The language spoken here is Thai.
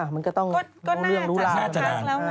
มันก็ต้องโดนเรื่องรู้แล้ว